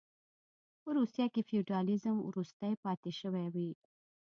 په روسیه کې فیوډالېزم وروستۍ پاتې شوې وې.